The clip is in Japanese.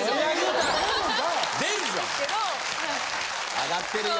上がってるよ